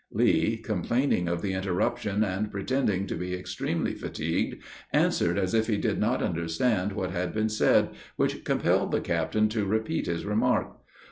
Lee, complaining of the interruption, and pretending to be extremely fatigued, answered as if he did not understand what had been said, which compelled the captain to repeat his remark.